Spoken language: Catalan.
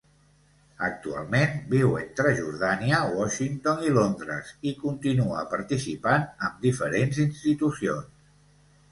Actualment viu entre Jordània, Washington i Londres, i continua participant amb diferents institucions.